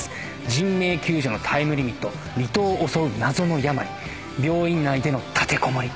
人命救助のタイムリミット離島を襲う謎の病病院内での立てこもり。